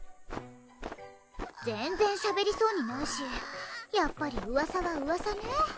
全然しゃべりそうにないしやっぱりうわさはうわさね